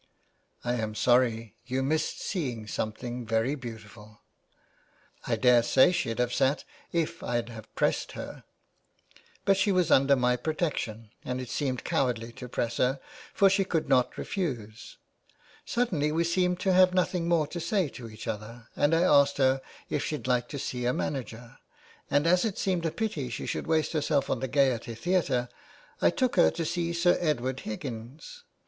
" I'm sorry ; you missed seeing something very beautiful." " I daresay she'd have sat if I'd have pressed her, 404 THE WAY BACK. but she was under my protection, and it seemed cowardly to press her, for she could not refuse. Suddenly we seemed to have nothing more to say to each other, and I asked her if she'd like to see a manager, and as it seemed a pity she should waste herself on the Gaiety Theatre I took her to see Sir Edward Higgins.